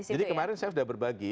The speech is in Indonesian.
jadi kemarin saya sudah berbagi